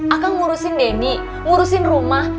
aku ngurusin denny ngurusin rumah